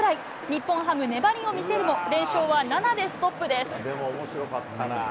日本ハム、粘りを見せるも、連勝は７でストップです。